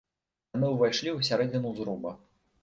Яны ўвайшлі ў сярэдзіну зруба.